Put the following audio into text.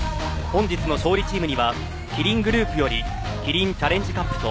本日の勝利チームにはキリングループよりキリンチャレンジカップと